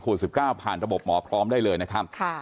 โควิดสิบเก้าผ่านระบบหมอพร้อมได้เลยนะครับค่ะ